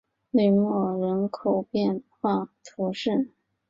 吕莫人口变化图示